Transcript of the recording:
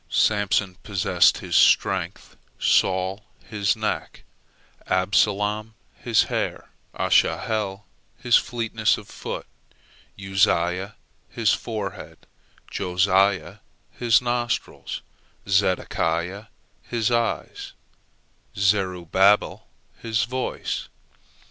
Samson possessed his strength, Saul his neck, Absalom his hair, Asahel his fleetness of foot, Uzziah his forehead, Josiah his nostrils, Zedekiah his eyes, and Zerubbabel his voice.